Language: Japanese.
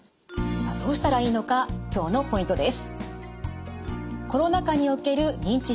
どうしたらいいのか今日のポイントです。